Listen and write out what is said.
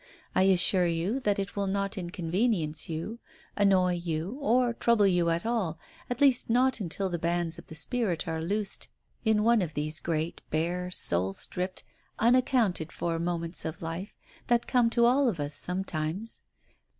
I assure you that it will not inconvenience you; annoy you, or trouble you at all, at least not until the bands of the spirit are loosed in one of these great, bare, soul stripped, unaccounted for moments of life, that come to all of us sometimes.